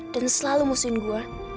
dan selalu musuhin gue